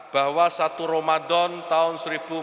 bahwa satu ramadan tahun